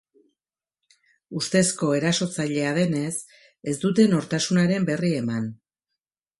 Ustezko erasotzailea denez, ez dute nortasunaren berri eman.